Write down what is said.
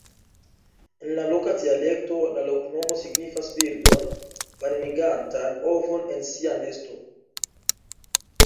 En la loka dialekto la loknomo signifas birdon varmigantan ovon en sia nesto.